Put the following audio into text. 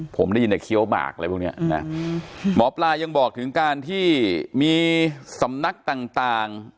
ผมได้ยินในเคี้ยวหมากอะไรพวกเนี้ยนะหมอปลายังบอกถึงการที่มีสำนักต่างต่าง